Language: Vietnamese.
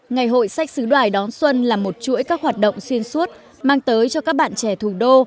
ngày hội sách xứ đoài đón xuân là một chuỗi các hoạt động xuyên suốt mang tới cho các bạn trẻ thủ đô